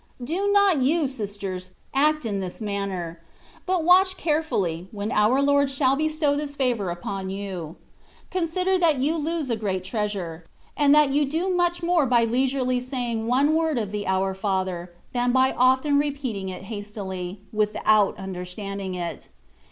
Do not you, sisters, act in this manner : but watch carefully, when our Lord shall bestow this £Eivour 158 THE WAT OF PERFECTION. upon you ; consider that you lose a ^eat treasure, and that you do much more by leisurely saying one word of the ^^ Our Father/' than by often repeating it hastily, without understanding it.